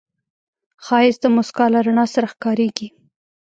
ښایست د موسکا له رڼا سره ښکاریږي